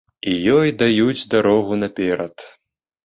Ёй даюць дарогу наперад.